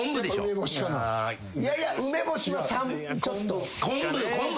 いやいや梅干しはちょっと。